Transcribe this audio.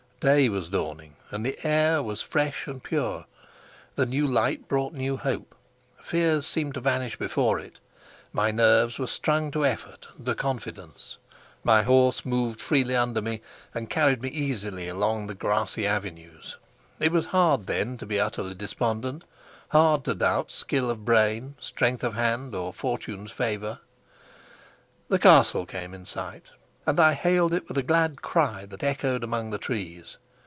Day was dawning, and the air was fresh and pure. The new light brought new hope; fears seemed to vanish before it; my nerves were strung to effort and to confidence. My horse moved freely under me and carried me easily along the grassy avenues. It was hard then to be utterly despondent, hard to doubt skill of brain, strength of hand, or fortune's favor. The castle came in sight, and I hailed it with a glad cry that echoed among the trees.